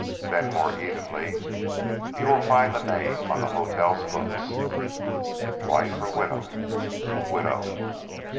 Then more evenly: "You will find the name on the hotel's books." "Wife or widow?" "Widow."